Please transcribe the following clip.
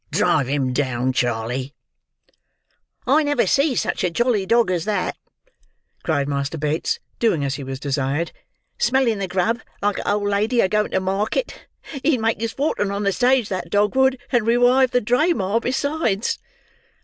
—Drive him down, Charley!" "I never see such a jolly dog as that," cried Master Bates, doing as he was desired. "Smelling the grub like a old lady a going to market! He'd make his fortun' on the stage that dog would, and rewive the drayma besides."